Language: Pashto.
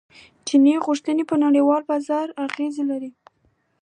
چیني غوښتنې په نړیوال بازار اغیز لري.